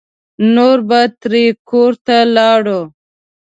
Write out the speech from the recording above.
نور به ترې کور ته لاړل.